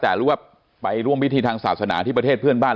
แต่รู้ว่าไปร่วมพิธีทางศาสนาที่ประเทศเพื่อนบ้าน